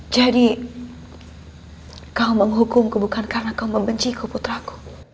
jadi kau menghukumku bukan karena kau membenci kuputraku